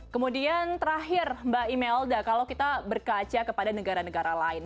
kemudian terakhir mbak imelda kalau kita berkaca kepada negara negara lain